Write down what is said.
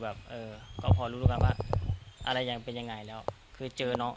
แบบเออก็พอรู้แล้วกันว่าอะไรยังเป็นยังไงแล้วคือเจอน้อง